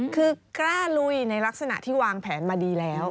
คือกล้าลุยในลักษณะที่วางแผนมาดีแล้ว